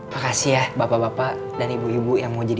makasih ya bapak bapak dan ibu ibu yang mau jadi